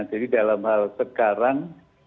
jadi dalam hal sekarang